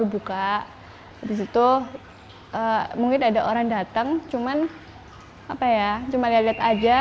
baru buka mungkin ada orang datang cuma lihat lihat saja